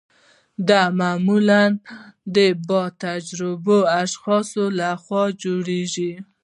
دا معمولا د با تجربه اشخاصو لخوا جوړیږي.